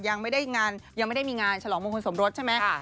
ยังไม่ได้งานยังไม่ได้มีงานฉลองมงคลสมรสใช่ไหม